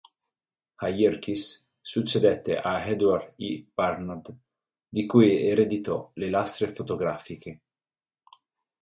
A Yerkes, succedette a Edward E. Barnard, di cui ereditò le lastre fotografiche.